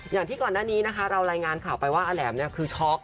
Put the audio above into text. อย่างที่ก่อนหน้านี้เรารายงานข่าวไปว่าอแหลมคือช็อค